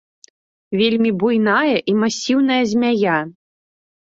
Вельмі буйная і масіўная змяя.